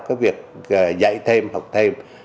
cái việc dạy thêm học thêm